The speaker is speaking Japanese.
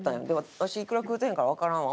「私イクラ食うてへんからわからんわ」